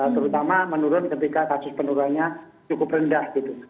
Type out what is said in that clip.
terutama menurun ketika kasus penurunannya cukup rendah gitu